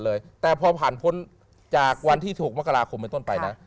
และพอผ่านพ้นจากวันที่๑๖มกราคมเป็นต้นไป